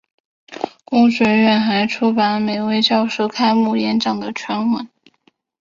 公学院还出版每位教授开幕演讲的全文。